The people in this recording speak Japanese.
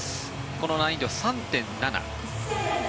この難易度３．７。